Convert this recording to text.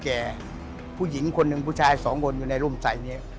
ผู้หญิงคนหนึ่งผู้ชายสองคนอยู่ในร่มใสเนี่ย